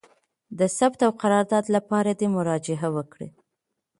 د ثبت او قرارداد لپاره دي مراجعه وکړي: